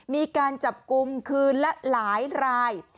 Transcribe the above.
มีการจับกลุ่มคืนละหลายราย